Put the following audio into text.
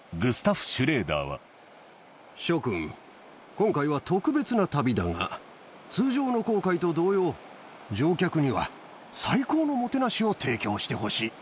諸君、今回は特別な旅だが、通常の航海と同様、乗客には最高のもてなしを提供してほしい。